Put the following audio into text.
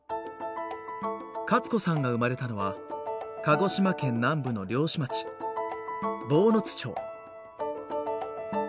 カツ子さんが生まれたのは鹿児島県南部の漁師町坊津町。